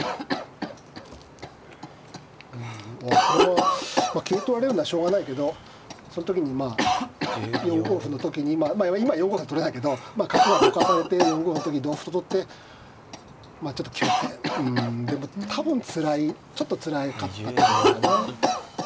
これは桂取られるのはしょうがないけどその時にまあ４五歩の時にまあ今４五歩は取れないけど角はどかされて４五歩の時同歩と取ってちょっと拠点うんでも多分つらいちょっとつらかった手ですかね。